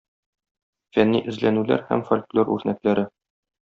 Фәнни эзләнүләр һәм фольклор үрнәкләре.